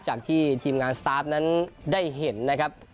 จากที่ทีมงานสตาร์ฟนั้นได้เห็นนะครับ